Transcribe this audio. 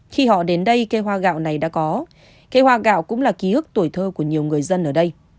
khi họ đến đây cây hoa gạo này đã có cây hoa gạo cũng là ký ức tuổi thơ của nhiều người dân ở đây